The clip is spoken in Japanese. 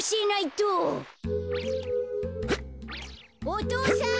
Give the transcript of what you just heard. お父さん！